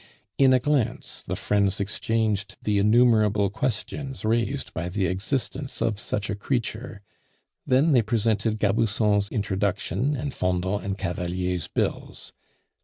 In a glance, the friends exchanged the innumerable questions raised by the existence of such a creature; then they presented Gabusson's introduction and Fendant and Cavalier's bills.